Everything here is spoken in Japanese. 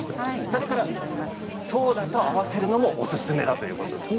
それからソーダと合わせるのもおすすめだということです。